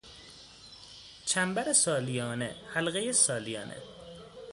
چنبر سالیانه، حلقهی سالیانه